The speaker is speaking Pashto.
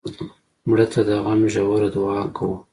مړه ته د غم ژوره دعا کوو